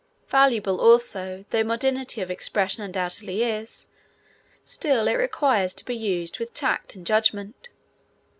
Valuable, also, though modernity of expression undoubtedly is, still it requires to be used with tact and judgment.